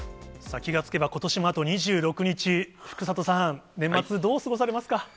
気が付けば、ことしもあと２６日、福里さん、年末、どう過ごされますか。